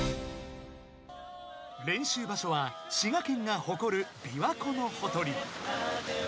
［練習場所は滋賀県が誇る琵琶湖のほとり］